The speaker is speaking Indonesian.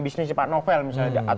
bisnis pak novel misalnya